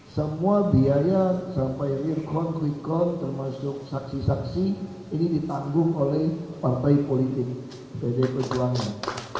semua biaya sampai re con re con termasuk saksi saksi ini ditangguh oleh partai politik dpd perjuangan